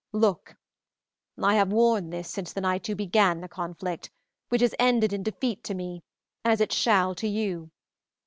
Look; I have worn this since the night you began the conflict, which has ended in defeat to me, as it shall to you.